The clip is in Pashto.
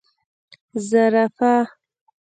🦒 زرافه